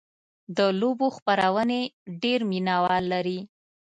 د لوبو خپرونې ډېر مینهوال لري.